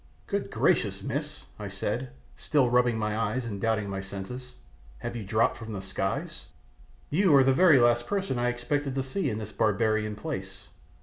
"Good gracious, miss," I said, still rubbing my eyes and doubting my senses, "have you dropped from the skies? You are the very last person I expected to see in this barbarian place."